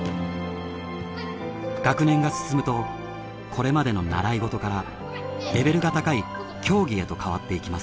学年が進むとこれまでの「習い事」からレベルが高い「競技」へと変わっていきます。